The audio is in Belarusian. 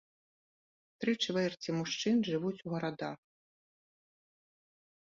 Тры чвэрці мужчын жывуць у гарадах.